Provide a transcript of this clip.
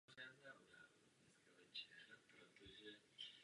Evropská unie byla vytvořena díky tehdejším silným vládám.